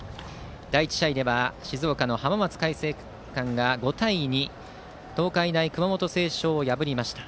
第１試合では静岡の浜松開誠館が５対２で東海大熊本星翔を破りました。